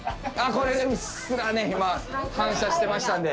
うっすらね今反射してましたんで。